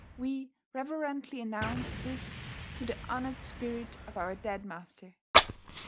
We reverently announce this to the honoured spirit of our dead master.